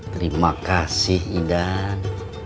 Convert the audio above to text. terima kasih idan